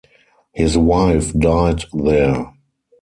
His wife died there.